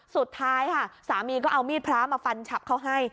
สุดท้ายค่ะสามีก็เอามีดพระมาฟันฉับเขาให้